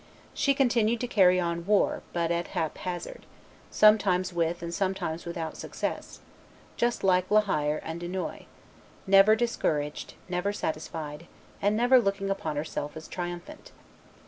She continued to carry on war, but at hap hazard, sometimes with and sometimes without success, just like La Hire and Dunois; never discouraged, never satisfied, and never looking upon her self as triumphant.